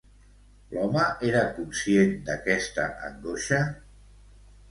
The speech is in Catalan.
L'home era conscient d'aquesta angoixa?